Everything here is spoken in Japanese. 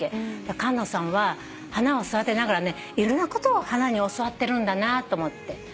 菅野さんは花を育てながらねいろんなことを花に教わってるんだなと思って。